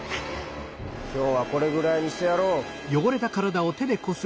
きょうはこれぐらいにしてやろう。